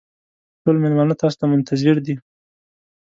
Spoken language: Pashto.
ټول مېلمانه تاسو ته منتظر دي.